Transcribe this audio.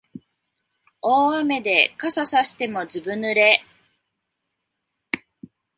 大雨で傘さしてもずぶ濡れ